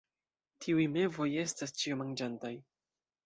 Tiuj mevoj estas ĉiomanĝantaj.